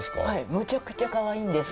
むちゃくちゃかわいいんです。